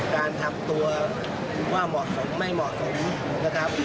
การทำตัวว่าเหมาะสมไม่เหมาะสมนะครับ